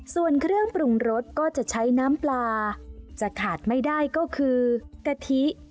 ส่วนเครื่องปรุงรสก็จะใช้น้ำปลาจะขาดไม่ได้ก็คือกะทิ